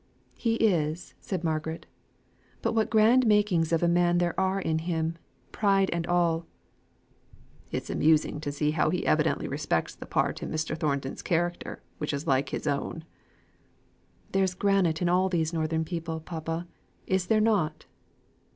"He is," said Margaret; "but what grand makings of a man there are in him, pride and all." "It's amusing to see how he evidently respects the part in Mr. Thornton's character which is like his own." "There's granite in all these northern people, papa, is there not?"